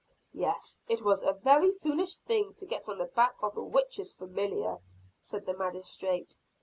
"Yes, it was a very foolish thing to get on the back of a witch's familiar," said the magistrate.